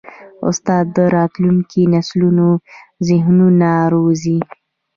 استاد د راتلونکي نسلونو ذهنونه روزي.